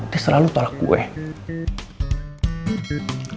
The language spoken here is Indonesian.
dia selalu tolak saya